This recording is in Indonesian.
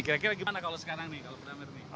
kira kira gimana kalau sekarang nih pak damir